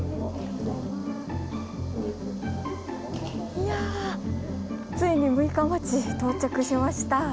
いやついに六日町到着しました。